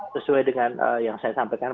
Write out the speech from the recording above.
sesuai dengan yang saya sampaikan